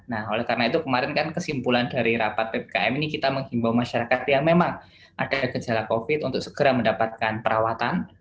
nah oleh karena itu kemarin kan kesimpulan dari rapat ppkm ini kita menghimbau masyarakat yang memang ada gejala covid untuk segera mendapatkan perawatan